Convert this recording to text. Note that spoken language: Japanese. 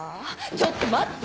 ちょっと待ってよ！